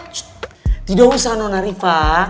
cut tidak usah nona riva